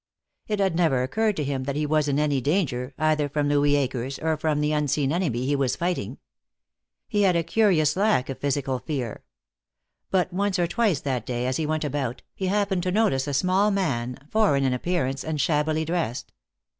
It had never occurred to him that he was in any, danger, either from Louis Akers or from the unseen enemy he was fighting. He had a curious lack of physical fear. But once or twice that day, as he went about, he happened to notice a small man, foreign in appearance and shabbily dressed.